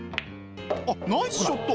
あっナイスショット！